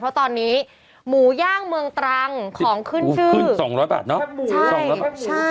เพราะตอนนี้หมูย่างเมืองตรังของขึ้นชื่อขึ้น๒๐๐บาทเนาะ